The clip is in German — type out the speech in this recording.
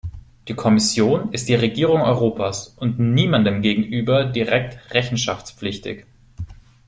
Die Kommission ist die Regierung Europas und niemandem gegenüber direkt rechenschaftspflichtig.